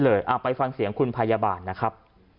ไปฟังเสียงคุณพยาบาลนะครับ